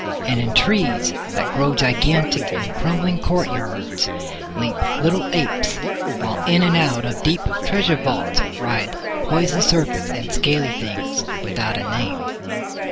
And in trees that grow gigantic in crumbling courtyards leap little apes, while in and out of deep treasure vaults writhe poison serpents and scaly things without a name.